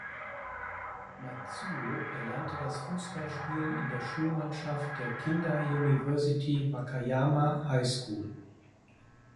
Matsuo erlernte das Fußballspielen in der Schulmannschaft der "Kindai University Wakayama High School".